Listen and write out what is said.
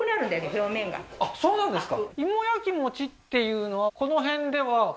表面があっそうなんですか